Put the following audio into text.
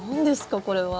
これは。